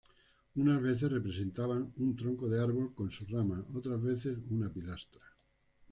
Unas veces representaban un tronco de árbol con sus ramas, otras veces una pilastra.